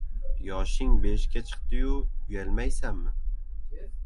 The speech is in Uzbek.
Yoshing beshga chiqdi-yu, uyalmaysanmi?